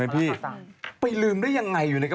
มดดเป็นความทุกข์ของคนอื่นน่ะแสดง